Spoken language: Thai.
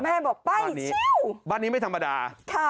แม่บอกไปบ้านนี้ไม่ธรรมดา